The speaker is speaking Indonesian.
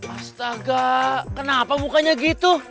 astaga kenapa mukanya gitu